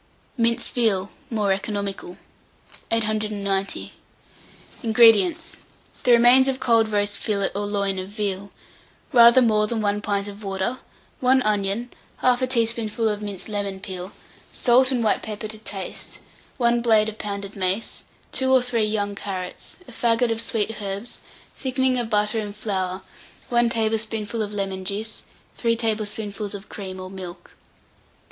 MINCED VEAL. (More Economical.) 890. INGREDIENTS. The remains of cold roast fillet or loin of veal, rather more than 1 pint of water, 1 onion, 1/2 teaspoonful of minced lemon peel, salt and white pepper to taste, 1 blade of pounded mace, 2 or 3 young carrots, a faggot of sweet herbs, thickening of butter and flour, 1 tablespoonful of lemon juice, 3 tablespoonfuls of cream or milk.